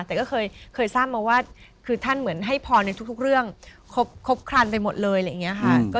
แต่ก็เคยทราบมาว่าคือท่านเหมือนให้พรในทุกเรื่องครบครันไปหมดเลยอะไรอย่างนี้ค่ะ